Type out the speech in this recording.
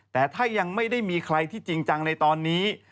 แต่ถ้ายังไม่ได้มีใครที่จริงจังในตอนนี้